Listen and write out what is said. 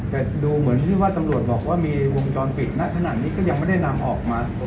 แต่ดูเหมือนที่ว่าตำรวจบอกว่ามีวงจรปิดณขณะนี้ก็ยังไม่ได้นำออกมา